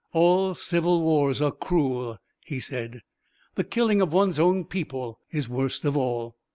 "All civil wars are cruel," he said. "The killing of one's own people is worst of all."